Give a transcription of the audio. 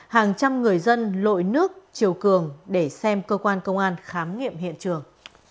hàng trăm người dân lội nước chiều cường để xem cơ quan công an khám nghiệm hiện trường